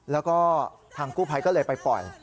แล้วก็ทางกู้ภัยก็เลยไปปล่อย